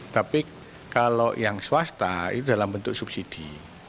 tapi kalau yang swasta itu dalam bentuk subsidi